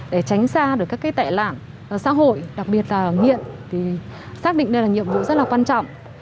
để tránh xa được các cái tệ lạng xã hội đặc biệt là nghiện thì xác định đây là nhiệm vụ rất là quan trọng